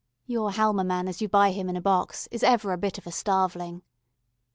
Your halma man as you buy him in a box is ever a bit of a starveling.